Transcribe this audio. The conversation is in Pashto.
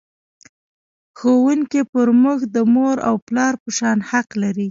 ښوونکی پر موږ د مور او پلار په شان حق لري.